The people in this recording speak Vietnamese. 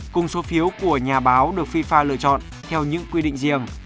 cùng số phiếu của nhà báo được fifa lựa chọn theo những quy định riêng